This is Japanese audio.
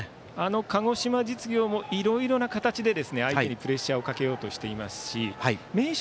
鹿児島実業もいろいろな形で相手にプレッシャーをかけようとしていますし明秀